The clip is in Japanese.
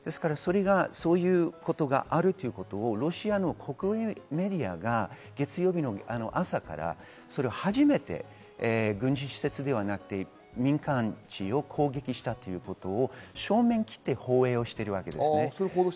そういうことがあるということをロシアの国営メディアが月曜日の朝から初めて、軍事施設ではなく民間地を攻撃したということを正面切って放映しているわけです。